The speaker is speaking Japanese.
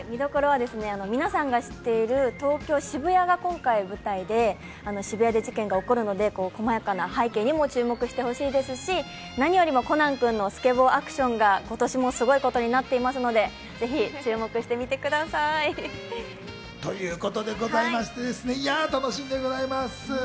皆さんが知っている東京・渋谷が今回、舞台で渋谷で事件が起こるので細やかな背景にも注目してほしいですし、何よりもコナン君のスケボーアクションが今年もすごいことになっていますのでぜひ注目してみてください。ということでございまして楽しみでございます。